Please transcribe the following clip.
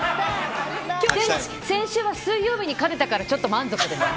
でも、先週は水曜日に勝てたからちょっと満足です。